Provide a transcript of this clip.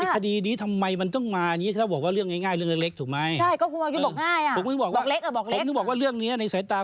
แล้วปัญหามันอยู่ตรงไหนที่มันไม่ได้เป็นเรื่องเล็กธรรมดา